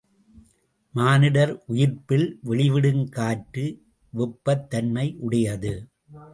மானிடர் உயிர்ப்பில் வெளிவிடும் காற்று வெப்பத் தன்மையுடையது.